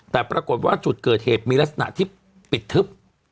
แต่ปรากฏว่าจุดเกิดเหตุมีลักษณะที่ปิดทึบ